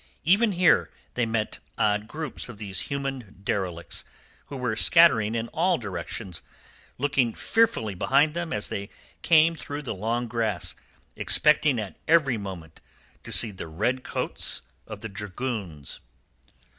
Even here they met odd groups of these human derelicts, who were scattering in all directions, looking fearfully behind them as they came through the long grass, expecting at every moment to see the red coats of the dragoons.